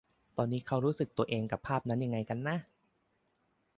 ตอนนี้เค้ารู้สึกตัวเองกับภาพนั้นยังไงกันนะ